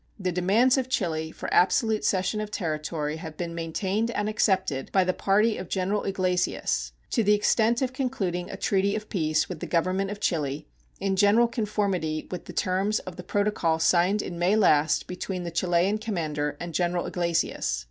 The demands of Chile for absolute cession of territory have been maintained and accepted by the party of General Iglesias to the extent of concluding a treaty of peace with the Government of Chile in general conformity with the terms of the protocol signed in May last between the Chilean commander and General Iglesias.